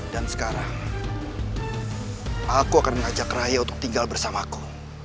dan sekarang aku akan mengajak raya untuk tinggal bersamaku